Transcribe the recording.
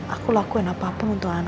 aku lakuin apapun untuk anak anak